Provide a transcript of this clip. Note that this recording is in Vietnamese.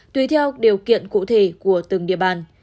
tùy theo điều kiện cụ thể của từng địa bàn